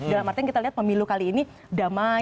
dalam artian kita lihat pemilu kali ini damai